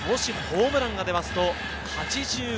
もしホームランが出ますと８５％。